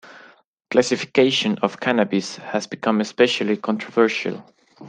Classification of cannabis has become especially controversial.